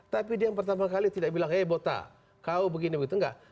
tapi dia yang pertama kali tidak bilang hebota kau begini begitu enggak